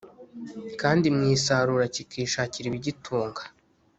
Kandi mu isarura kikishakira ibigitunga